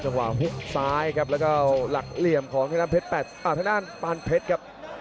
ใกล้หากว่าฮุสายครับและก็หลักเหลี่ยมของธนาที่ภูมิปานเพชรครับ